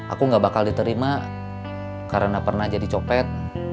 aku gak bakal diterima karena pernah jadi copet